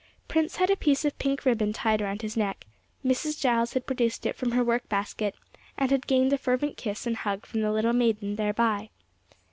Prince had a piece of pink ribbon tied round his neck; Mrs. Giles had produced it from her work basket, and had gained a fervent kiss and hug from the little maiden thereby.